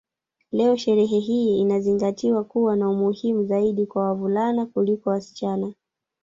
Leo sherehe hii inazingatiwa kuwa na umuhimu zaidi kwa wavulana kuliko wasichana